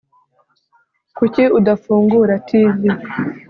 Kuki udafungura TV